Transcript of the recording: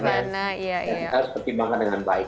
nah kita harus pertimbangkan dengan baik